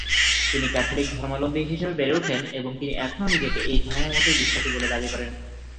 তিনি ক্যাথলিক ধর্মাবলম্বী হিসেবে বেড়ে ওঠেন, এবং তিনি এখনো নিজেকে এই ধর্মমতে বিশ্বাসী বলে দাবী করেন।